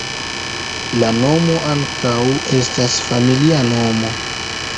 La nomo ankaŭ estas familia nomo.